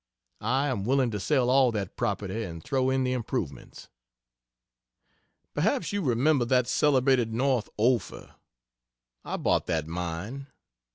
I am willing to sell all that property and throw in the improvements. Perhaps you remember that celebrated "North Ophir?" I bought that mine.